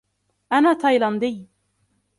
أنا تايلاندي.